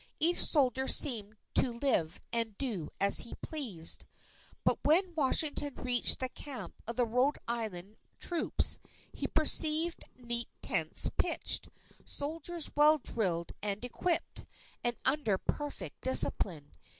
Each soldier seemed to live and do as he pleased. But when Washington reached the camp of the Rhode Island troops, he perceived neat tents pitched, soldiers well drilled and equipped, and under perfect discipline.